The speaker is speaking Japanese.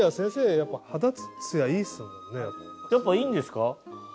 やっぱいいんですか？